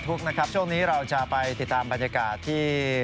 ทุกข์นะครับช่วงนี้เราจะไปติดตามบรรยากาศที่